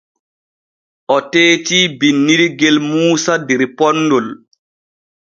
O teetii binnirgel Muusa der ponnol.